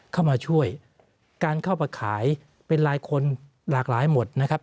เข้ามาช่วยการเข้ามาขายเป็นรายคนหลากหลายหมดนะครับ